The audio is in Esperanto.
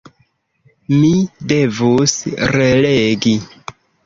Mi devus relegi.